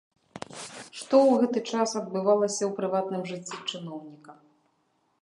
Што ў гэты час адбывалася ў прыватным жыцці чыноўніка?